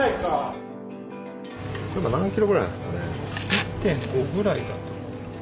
１．５ぐらいだと思いますけど。